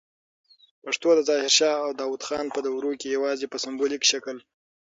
پښتو د ظاهر شاه او داود خان په دوروکي یواځې په سمبولیک شکل